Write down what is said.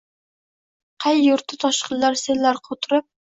Qay yurtda toshqinlar, sellar quturib